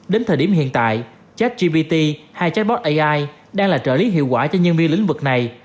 đến thời điểm hiện tại chat gpt hay chatbot ai đang là trợ lý hiệu quả cho nhân viên lĩnh vực này